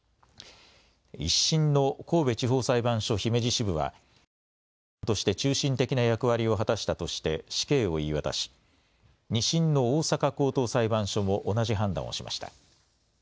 １審の神戸地方裁判所姫路支部は実行犯として中心的な役割を果たしたとして死刑を言い渡し、２審の大阪高等裁判所も同じ判断をしました。